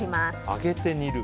揚げて、煮る。